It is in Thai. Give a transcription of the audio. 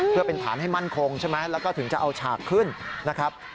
เพื่อเป็นฐานให้มั่นคงใช่ไหมแล้วก็ถึงจะเอาฉากขึ้นนะครับ